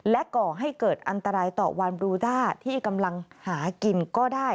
และก่อให้เกิดอันตรายต่อวานบรูด้าที่กำลังหากินก็ได้